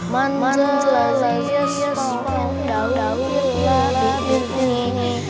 man jelias pa'un daudhid la'idhni